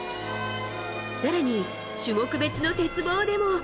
更に、種目別の鉄棒でも。